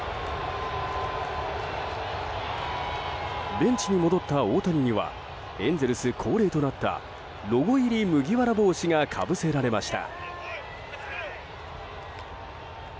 ベンチに戻った大谷にはエンゼルス恒例となったロゴ入り麦わら帽子がかぶせられました。